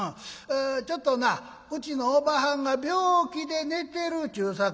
ちょっとなうちのおばはんが病気で寝てるちゅうさかい